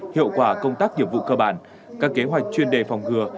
hiệu quả công tác nghiệp vụ cơ bản các kế hoạch chuyên đề phòng ngừa